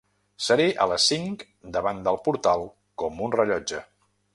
Seré a les cinc davant del portal com un rellotge.